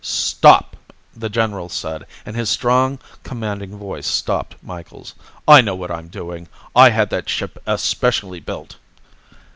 "Stop," the general said, and his strong, commanding voice stopped Micheals. "I know what I'm doing. I had that ship especially built."